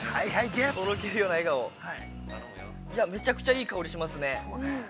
めちゃくちゃいい香りがしますね。